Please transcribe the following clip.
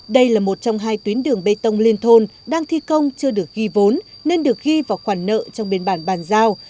đây là một trong hai tuyến đường bê tông liên thôn đang thi công chưa được ghi vốn nên được ghi vào khoản nợ trong biên bản bàn giao